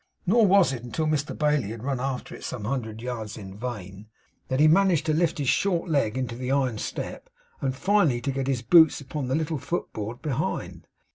Nor was it until Mr Bailey had run after it some hundreds of yards in vain, that he managed to lift his short leg into the iron step, and finally to get his boots upon the little footboard behind.